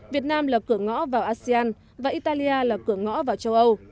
việt nam là cửa ngõ vào asean và italia là cửa ngõ vào châu âu